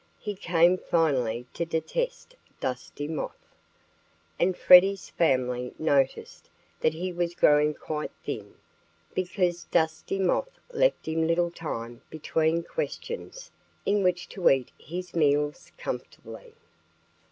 He came finally to detest Dusty Moth. And Freddie's family noticed that he was growing quite thin, because Dusty Moth left him little time between questions in which to eat his meals comfortably.